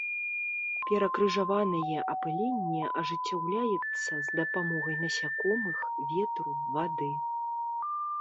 Перакрыжаванае апыленне ажыццяўляецца з дапамогай насякомых, ветру, вады.